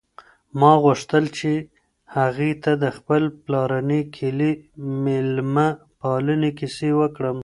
ما غوښتل چې هغې ته د خپل پلارني کلي د مېلمه پالنې کیسې وکړم.